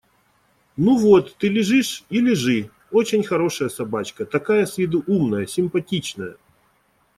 – Ну вот! Ты лежишь? И лежи… Очень хорошая собачка… такая с виду умная, симпатичная.